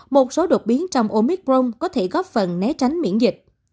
một số đột biến trong omicron có thể góp phần né tránh miễn dịch